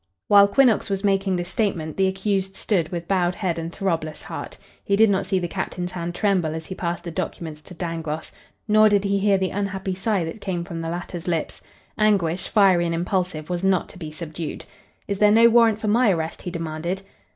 While Quinnox was making this statement the accused stood with bowed head and throbless heart. He did not see the captain's hand tremble as he passed the documents to Dangloss, nor did he hear the unhappy sigh that came from the latter's lips. Anguish, fiery and impulsive, was not to be subdued. "Is there no warrant for my arrest?" he demanded.